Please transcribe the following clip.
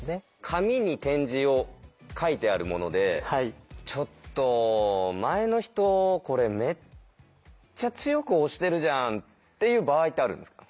紙に点字を書いてあるもので「ちょっと前の人これめっちゃ強く押してるじゃん」っていう場合ってあるんですか？